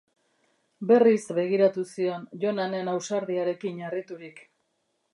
Berriz begiratu zion Jonanen ausardiarekin harriturik.